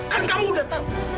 kan kamu datang